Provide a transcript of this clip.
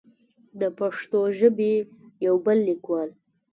د پښتو ژبې يو بل ليکوال